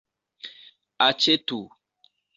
aĉetu